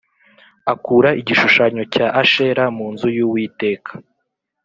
Akura igishushanyo cya ashera mu nzu y uwiteka